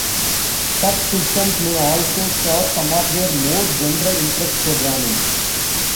Such systems may also share some of their more general interest programming.